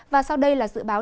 và sau đây là dự báo